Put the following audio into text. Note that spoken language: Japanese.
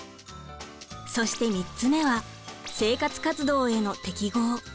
そして３つめは生活活動への適合。